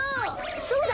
そうだ！